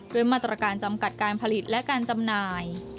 ด้วยมาตรการจำกัดการผลิตและการจำหน่าย